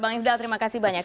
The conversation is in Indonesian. bang ifdal terima kasih banyak